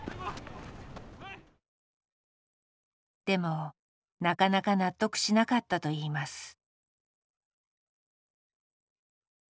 でもなかなか納得しなかったといいます。